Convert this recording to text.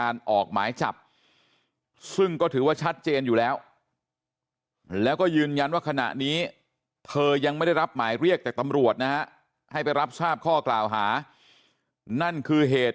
รับหมายเรียกจากตำรวจนะให้ไปรับทราบข้อกล่าวหานั่นคือเหตุ